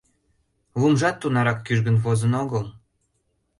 Лумжат тунарак кӱжгын возын огыл.